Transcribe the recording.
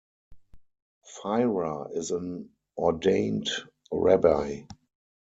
Firer is an ordained rabbi.